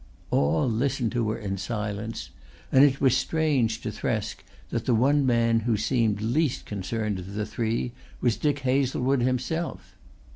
All listened to her in silence, and it was strange to Thresk that the one man who seemed least concerned of the three was Dick Hazlewood himself.